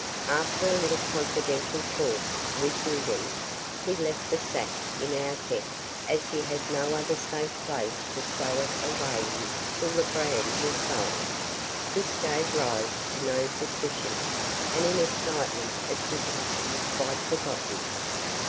After a little confidential talk with William, he left the sack in our tent, as he had no other safe place to stow it away in till the bran was sold. This gave rise to no suspicion, and in the excitement of digging was quite forgotten.